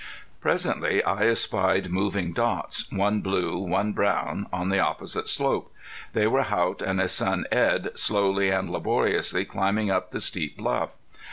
Presently I espied moving dots, one blue, one brown, on the opposite slope. They were Haught and his son Edd slowly and laboriously climbing up the steep bluff.